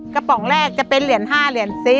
ปองแรกจะเป็นเหรียญ๕เหรียญ๔